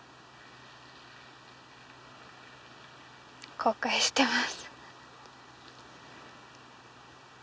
後悔してます。